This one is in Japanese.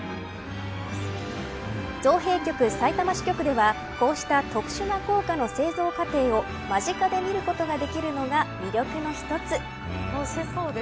造幣局さいたま支局ではこうした特殊な硬貨の製造過程を間近で見ることができるのが魅力の一つ。